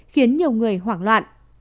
khiến nhiều người hoảng loạn